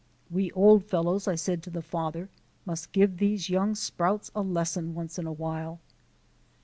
"We old fellows," I said to the father, "must give these young sprouts a lesson once in a while."